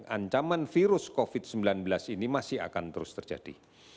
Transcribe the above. ancaman virus covid sembilan belas ini masih akan terus terjadi